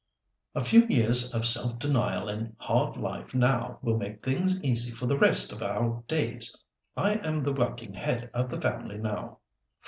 A few years of self denial and hard life now will make things easy for the rest of our days. I am the working head of the family now.